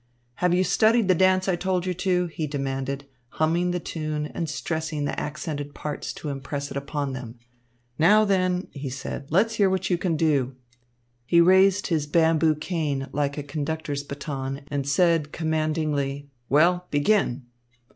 "Have you studied the dance I told you to?" he demanded, humming the tune and stressing the accented parts to impress it upon them. "Now then," he said, "let's hear what you can do." He raised his bamboo cane like a conductor's baton and said commandingly, "Well, begin."